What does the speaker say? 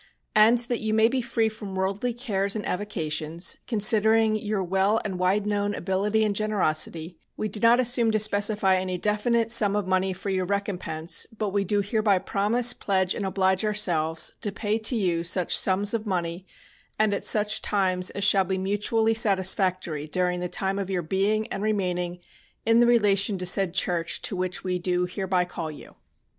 And that you may be free from worldly cares and avocations, considering your well and wide known ability and generosity, we do not assume to specify any definite sum of money for your recompense, but we do hereby promise, pledge and oblige ourselves, to pay to you such sums of money and at such times as shall be mutually satisfactory during the time of your being and remaining in the relation to said church to which we do hereby call you."